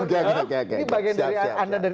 ini bagian dari anda